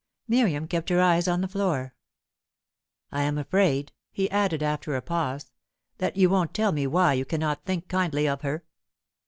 Miriam kept her eyes on the floor. "I am afraid," he added, after a pause, "that you won't tell me why you cannot think kindly of her?"